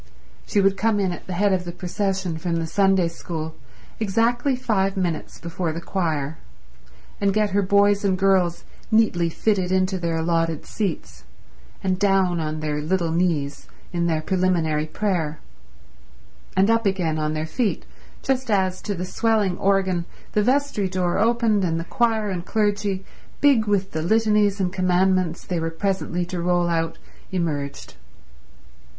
She would come in at the head of the procession from the Sunday School exactly five minutes before the choir, and get her boys and girls neatly fitted into their allotted seats, and down on their little knees in their preliminary prayer, and up again on their feet just as, to the swelling organ, the vestry door opened, and the choir and clergy, big with the litanies and commandments they were presently to roll out, emerged.